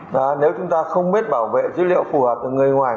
và nếu chúng ta không biết bảo vệ dữ liệu phù hợp với người ngoài